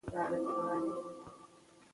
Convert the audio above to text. اقلیم د افغانانو ژوند اغېزمن کوي.